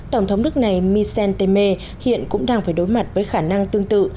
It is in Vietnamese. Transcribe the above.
tổng thống nước này michel temer hiện cũng đang phải đối mặt với khả năng tương tự